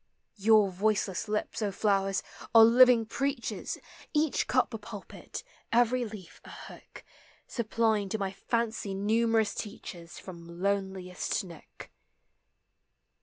Your voiceless lips, O flowers! are living preach* ers, Each cup a pulpit, every leaf a hook, Supplying to my fancy numerous teachers From loneliest nook.